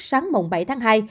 sáng mộng bảy tháng hai